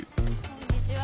こんにちは。